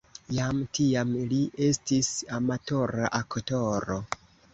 Jam tiam li estis amatora aktoro.